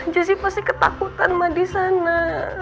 jessy pasti ketakutan ma di sana